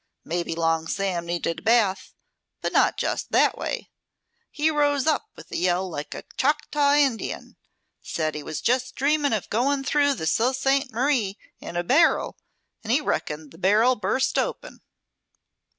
Maybe Long Sam needed a bath, but not just that way. He rose up with a yell like a Choctaw Indian. Said he was just dreaming of going through the Sault Ste. Marie in a barrel, and he reckoned the barrel burst open."